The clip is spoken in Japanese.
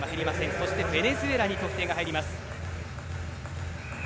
そしてベネズエラに得点が入ります。